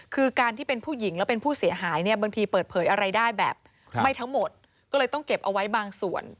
คือการที่เป็นผู้หญิงแล้วเป็นผู้เสียหายเนี่ยบางทีเปิดเผยอะไรได้แบบไม่ทั้งหมดก็เลยต้องเก็บเอาไว้บางส่วน